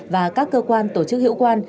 và các cơ quan tổ chức hiệu quan